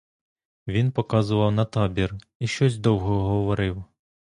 Він показував на табір і щось довго говорив.